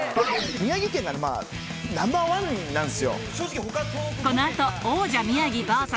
宮城県がまぁナンバーワンなんですよ。